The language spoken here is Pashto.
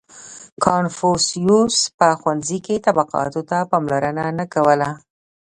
• کنفوسیوس په ښوونځي کې طبقاتو ته پاملرنه نه کوله.